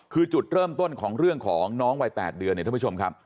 คือจุดเริ่มต้นของเรื่องของน้องวัย๘เดือนเนี่ยท่านผู้ชมครับ